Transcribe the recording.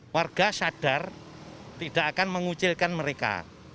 warga sadar tidak akan mengucilkan mereka